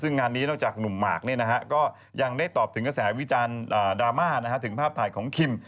ซึ่งงานนี้นอกจากหนุ่มหมากก็ยังได้ตอบถึงกระแสวิจารณ์ดราม่าถึงภาพถ่ายของคิม